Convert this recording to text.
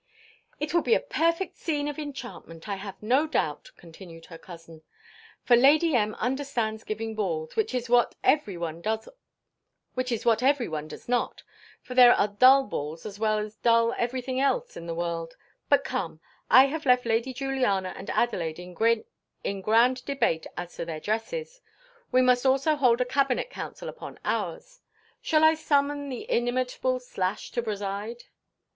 "It will be a perfect scene of enchantment, I have no doubt," continued her cousin, "for Lady M. understands giving balls, which is what every one does not; for there are dull balls as well as dull every things else in the world. But come, I have left Lady Juliana and Adelaide in grand debate as to their dresses. We must also hold a cabinet council upon ours. Shall I summon the inimitable Slash to preside?"